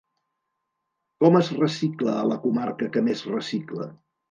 Com es recicla a la comarca que més recicla?